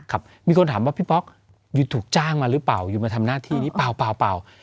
มีคนถามว่าพี่ป๊อกหยุดถูกจ้างมาหรือเปล่าหยุดมาทำหน้าที่นี้เปล่า